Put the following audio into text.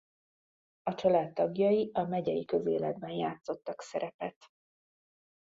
A család tagjai a megyei közéletben játszottak szerepet.